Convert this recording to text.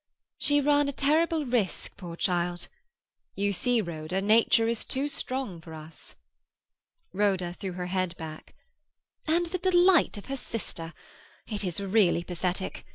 She ran a terrible risk, poor child. You see, Rhoda, nature is too strong for us." Rhoda threw her head back. "And the delight of her sister! It is really pathetic.